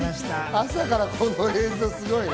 朝からこの映像すごいね。